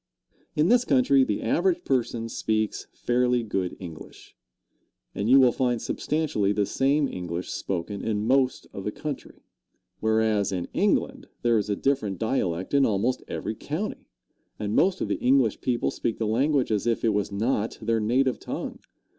In this country the average person speaks fairly good English, and you will find substantially the same English spoken in most of the country; whereas in England there is a different dialect in almost every county, and most of the English people speak the language as if was not their native tongue.